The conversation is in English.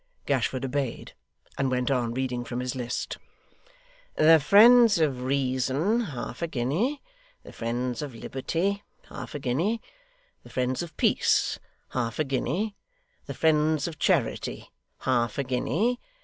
Gashford obeyed, and went on reading from his list: '"The Friends of Reason, half a guinea. The Friends of Liberty, half a guinea. The Friends of Peace, half a guinea. The Friends of Charity, half a guinea.